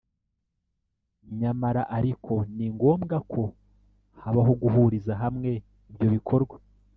nyamara ariko ni ngombwa ko habaho guhuriza hamwe ibyo bikorwa